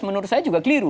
menurut saya juga